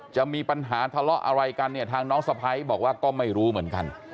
จะมีปัญหาทะเลาะอะไรกันเนี่ยทางน้องสะพ้ายบอกว่าก็ไม่รู้เหมือนกัน